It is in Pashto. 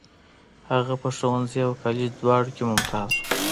هغه په ښوونځي او کالج دواړو کې ممتاز و.